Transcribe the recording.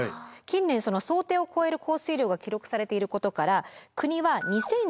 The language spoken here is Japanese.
近年その想定を超える降水量が記録されていることから国は２０１５年